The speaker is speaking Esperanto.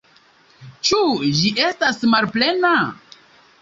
Ĉu ĝi estas malplena?